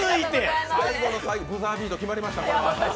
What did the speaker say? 最後の最後、ブザービート決まりました。